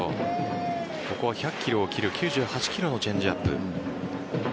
ここは１００キロを切る９８キロのチェンジアップ。